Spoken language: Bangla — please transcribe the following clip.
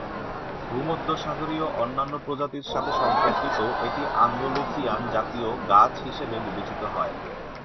ভূমধ্যসাগরীয় অন্যান্য প্রজাতির সাথে সম্পর্কিত, এটি "আন্দালুসিয়ান জাতীয় গাছ" হিসাবে বিবেচিত হয়।